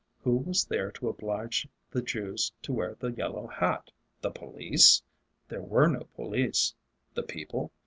Who was there to oblige the Jews to wear the yellow hat? The police? There were no police. The people?